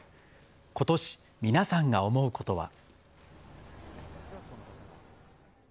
ことし、皆さんが思うことは。